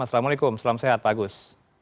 assalamualaikum selamat sehat pak agus